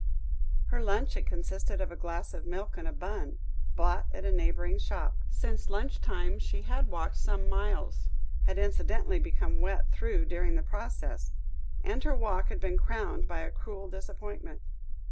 Her lunch had consisted of a glass of milk and a bun, bought at a neighbouring shop; since lunch time she had walked some miles, had incidentally become wet through during the process, and her walk had been crowned by a cruel disappointment.